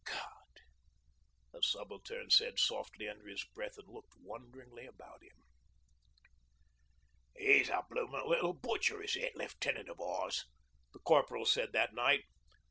... 'God!' the Subaltern said softly under his breath, and looked wonderingly about him. ''E's a bloomin' little butcher, is that Lefftenant of ours,' the Corporal said that night.